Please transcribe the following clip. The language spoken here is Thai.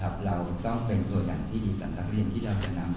เราต้องเป็นตัวอย่างที่สันตรักษณ์เรียนที่เราจะนำมาสอบ